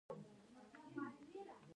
اوږد عمر نه روغ صحت غوره ده